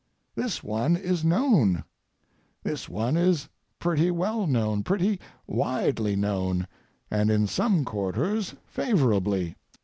This one is known; this one is pretty well known, pretty widely known, and in some quarters favorably.